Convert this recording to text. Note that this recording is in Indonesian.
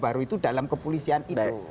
baru itu dalam kepolisian itu